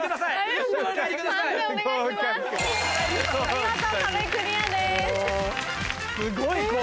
見事壁クリアです。